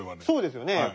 そうですよね。